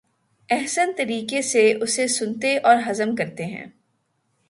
احسن طریقے سے اسے سنتے اور ہضم کرتے ہیں۔